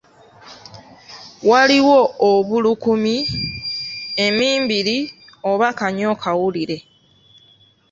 Waliwo obulukumi, emmimbiri oba kanyokawulire.